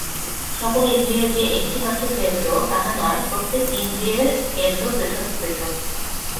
সকল ইন্দ্রিয়ের যে একটিমাত্র কেন্দ্র, তাহা নয়, প্রত্যেক ইন্দ্রিয়ের কেন্দ্র পৃথক পৃথক্।